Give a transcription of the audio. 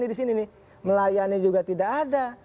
di sini nih melayani juga tidak ada